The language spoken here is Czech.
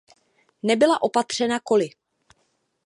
Nebyla opatřena koly.